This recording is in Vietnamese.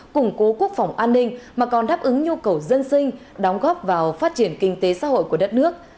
củng cố quốc phòng an ninh mà còn đáp ứng nhu cầu dân sinh đóng góp vào phát triển kinh tế xã hội của đất nước